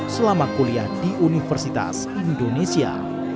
selama kuliah di universitas indonesia